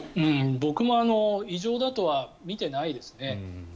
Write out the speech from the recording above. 僕も異常だとは見ていないですね。